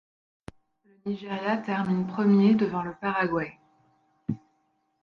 Le Nigeria termine premier devant le Paraguay.